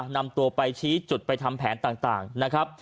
นำตัวไปชี้จุดไปทำแผนต่างนะครับ